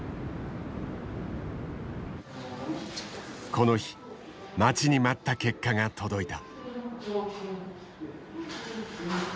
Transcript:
この日待ちに待った結果が届いた。